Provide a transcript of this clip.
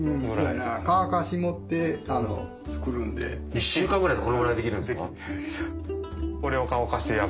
１週間ぐらいでこのぐらいできるんですか？